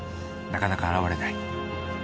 なかなか現れない。